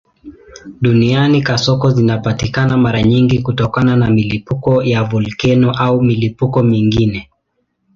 Duniani kasoko zinapatikana mara nyingi kutokana na milipuko ya volkeno au milipuko mingine.